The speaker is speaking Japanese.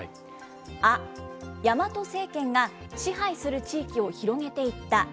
ア、大和政権が支配する地域を広げていた。